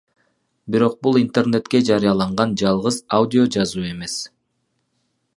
Бирок бул интернетке жарыяланган жалгыз аудиожазуу эмес.